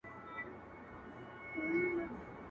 د زمان پر مېچن ګرځو له دورانه تر دورانه -